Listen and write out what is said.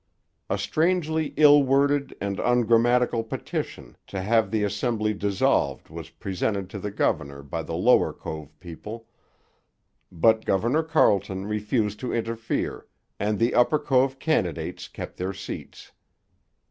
A strangely ill worded and ungrammatical petition to have the assembly dissolved was presented to the governor by the Lower Cove people, but Governor Carleton refused to interfere, and the Upper Cove candidates kept their seats.